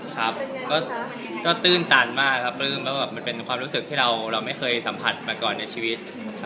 ก็ตื่นตันมากครับมันเป็นความรู้สึกที่เราไม่เคยสัมผัสมาก่อนในชีวิต